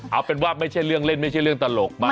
เอาเป็นว่ามัยใช่เรื่องหรือไม่ใช่เรื่องเรื่องร่างการ